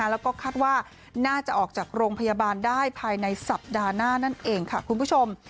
แล้วก็คาดว่าน่าจะออกจากโรงพยาบาลได้ภายในสัปดาห์หน้านั่นเองค่ะคุณผู้ชม